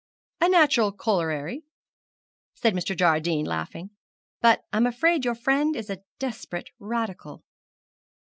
'A natural corollary,' said Mr. Jardine, laughing. 'But I'm afraid your friend is a desperate radical.'